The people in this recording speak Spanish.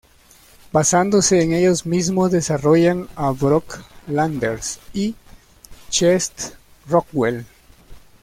Basándose en ellos mismos, desarrollan a Brock Landers y Chest Rockwell.